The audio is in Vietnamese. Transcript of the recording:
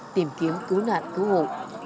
tìm kiếm cứu nạn cứu hộ